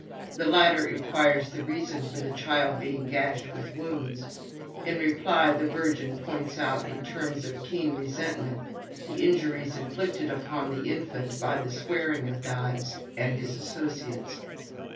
The latter inquires the reason for the Child being gashed with wounds. In reply the Virgin points out in terms of keen resentment the injuries inflicted upon the Infant by the swearing of Dives and his associates.